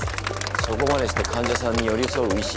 そこまでして患者さんに寄り添う医師。